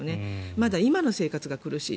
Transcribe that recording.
まだ今の生活が苦しい。